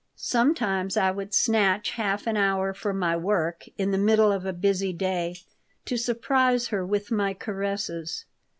Sometimes I would snatch half an hour from my work in the middle of a busy day to surprise her with my caresses.